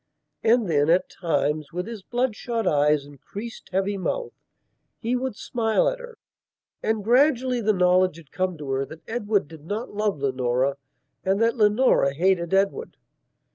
And then, at times, with his bloodshot eyes and creased, heavy mouth, he would smile at her. And gradually the knowledge had come to her that Edward did not love Leonora and that Leonora hated Edward.